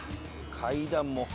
階段も。